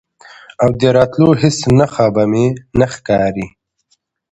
او د راتلو هیڅ نښه به مې نه ښکاري،